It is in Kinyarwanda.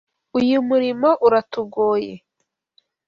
Uyu murimo uratugoye.